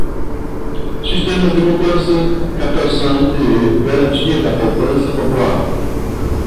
sistemas de poupança, captação e garantia da poupança popular;